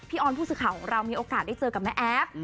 ออนผู้สื่อข่าวของเรามีโอกาสได้เจอกับแม่แอฟ